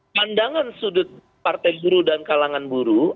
pandangan sudut partai buruh dan kalangan buruh